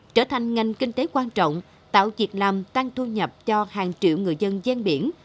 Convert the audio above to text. trở thành ngành kinh tế quan trọng tạo việc làm tăng thu nhập cho hàng triệu người dân gian biển